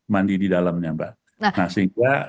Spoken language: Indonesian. mandi di dalamnya mbak nah sehingga